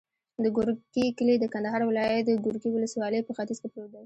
د ګورکي کلی د کندهار ولایت، ګورکي ولسوالي په ختیځ کې پروت دی.